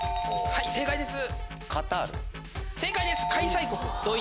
はい正解です。